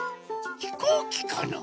ひこうきかな？